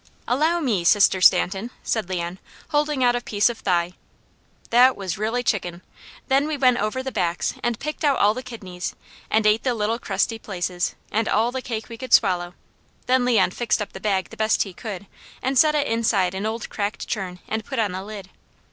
"Allow me, Sister Stanton," said Leon, holding out a piece of thigh. That was really chicken! Then we went over the backs and picked out all the kidneys, and ate the little crusty places, and all the cake we could swallow; then Leon fixed up the bag the best he could, and set it inside an old cracked churn and put on the lid.